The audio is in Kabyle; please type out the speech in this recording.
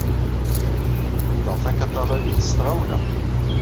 Lemdeɣ takatalanit s tɣawla.